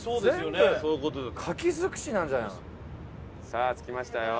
さあ着きましたよ。